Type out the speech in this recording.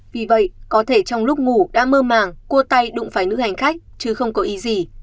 vì vậy có thể trong lúc ngủ đã mơ màng cua tay đụng phải nữ hành khách chứ không có ý gì